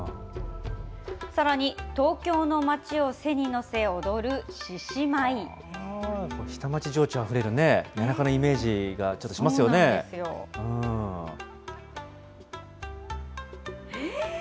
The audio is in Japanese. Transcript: さらに、下町情緒あふれるね、谷中のイメージがちょっとしますよね。